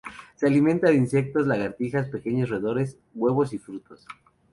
Se alimenta de insectos, lagartijas, pequeños roedores, huevos y frutos.